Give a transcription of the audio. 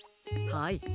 はい。